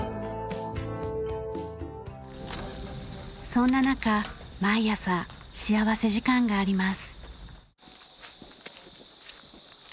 そんな中毎朝幸福時間があります。